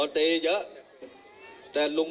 ลุงตุ๋ชอบกินข้าวอะไรครับ